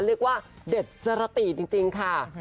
เรียกว่าเด็ดสระตีจริงค่ะ